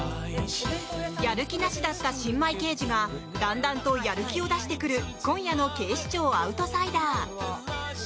やる気なしだった新米刑事がだんだんとやる気を出してくる今夜の「警視庁アウトサイダー」。